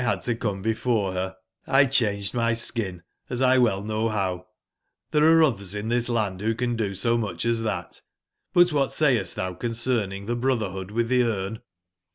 had to come before her, ! 171 cbangfcdmyskin^asXwcU know bow; there arc others in this land who can do eo much as that. But what 6ayc9t thou concerning the brotherhood with the eme?"